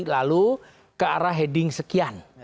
lalu ke arah heading sekian